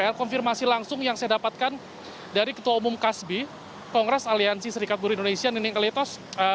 dan konfirmasi langsung yang saya dapatkan dari ketua umum kasbi kongres aliansi serikat guru indonesia nining kalitos